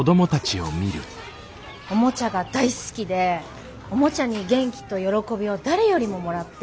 おもちゃが大好きでおもちゃに元気と喜びを誰よりももらって。